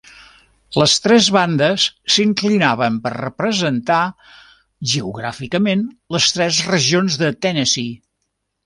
Les tres bandes s'inclinaven per representar geogràficament les tres regions de Tennessee.